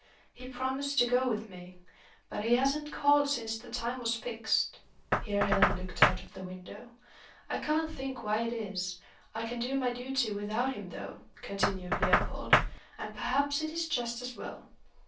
"He promised to go with me. But he hasn't called since the time was fixed." Here Helen looked out of the window. "I can't think why it is. I can do my duty without him though," continued Leopold, "and perhaps it is just as well.